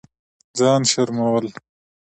ځان شرمول